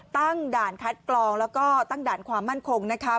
ตั้งด่านคัดกรองแล้วก็ตั้งด่านความมั่นคงนะคะ